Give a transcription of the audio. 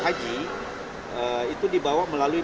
haji itu dibawa melalui